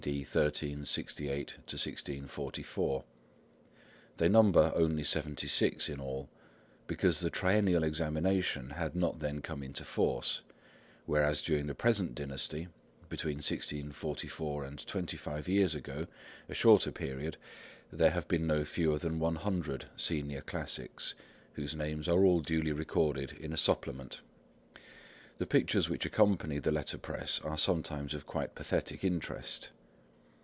D. 1368 1644. They number only seventy six in all, because the triennial examination had not then come into force; whereas during the present dynasty, between 1644 and twenty five years ago, a shorter period, there have been no fewer than one hundred Senior Classics, whose names are all duly recorded in a Supplement. The pictures which accompany the letterpress are sometimes of quite pathetic interest.